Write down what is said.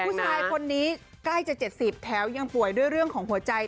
ผู้ชายคนนี้ใกล้จะ๗๐แถวยังป่วยด้วยเรื่องของหัวใจ